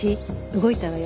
動いたわよ。